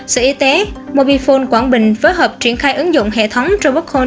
sự y tế mobifone quảng bình phối hợp triển khai ứng dụng hệ thống robocall